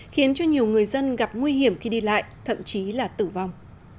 khiến cho nhiều người dân gặp nguy hiểm khi đi lại thậm chí là tử vong